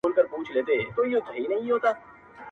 چي قاضي څه کوي زه ډېر په شرمېږم,